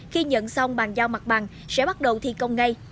khi nhận xong bàn giao mặt bằng sẽ bắt đầu thi công ngay